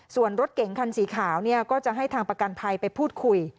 ส่วนรถเก๋งคันสีขาวเนี่ยก็จะให้ทางประกันภัยไปพูดคุย